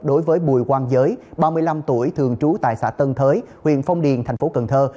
đối với bùi quang giới ba mươi năm tuổi thường trú tại xã tân thới huyện phong điền thành phố cần thơ